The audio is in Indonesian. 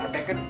ini teh besar